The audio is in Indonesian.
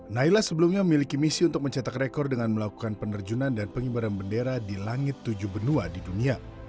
naila sebelumnya memiliki misi untuk mencetak rekor dengan melakukan penerjunan dan pengibaran bendera di langit tujuh benua di dunia